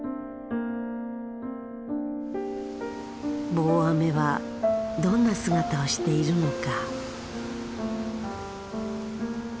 棒雨はどんな姿をしているのか。